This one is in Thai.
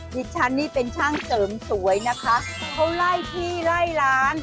ดิฉันนี่เป็นช่างเสริมสวยนะคะเขาไล่ที่ไล่ร้าน